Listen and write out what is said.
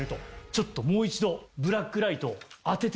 ちょっともう一度ブラックライトを当ててみたい。